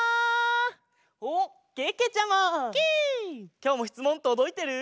きょうもしつもんとどいてる？